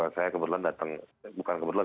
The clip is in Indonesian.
saya kebetulan datang bukan kebetulan